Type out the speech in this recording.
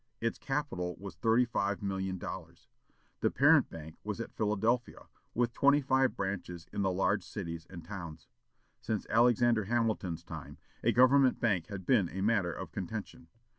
Its capital was thirty five million dollars. The parent bank was at Philadelphia, with twenty five branches in the large cities and towns. Since Alexander Hamilton's time, a government bank had been a matter of contention.